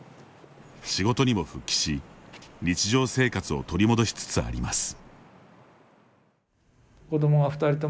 仕事にも復帰し日常生活を取り戻しつつあります。